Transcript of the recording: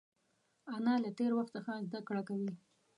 انا له تېر وخت څخه زده کړه کوي